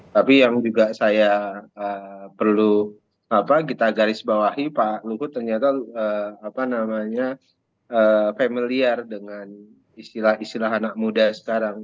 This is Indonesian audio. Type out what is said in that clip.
tapi yang juga saya perlu kita garis bawahi pak luhut ternyata familiar dengan istilah istilah anak muda sekarang